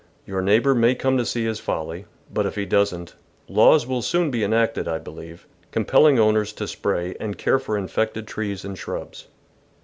Your neighbour may come to see his folly, but if he doesn't, laws will soon be en acted, I believe, compelling owners to spray and care for infected trees and shrubs.